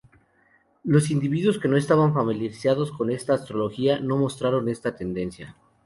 Los individuos que no estaban familiarizados con la astrología no mostraron esta tendencia.